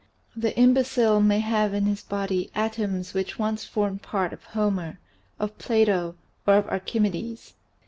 The imbecile may have in his body atoms which once formed part of Homer, of Plato, or of Archi medes.